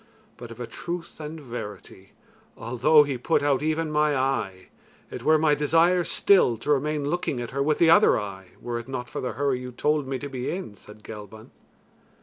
But of a truth and verity, although he put out even my eye, it were my desire still to remain looking at her with the other eye, were it not for the hurry you told me to be in," said Gelban.